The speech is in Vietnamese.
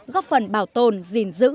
góp phần bảo tồn gìn giữ